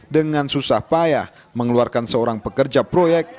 dengan susah payah mengeluarkan seorang pekerja proyek